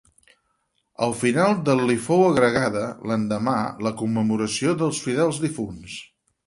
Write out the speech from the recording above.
Al final del li fou agregada, l'endemà, la commemoració dels fidels difunts.